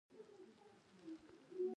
د رهبرۍ تر ټولو لوی خاصیت صداقت دی.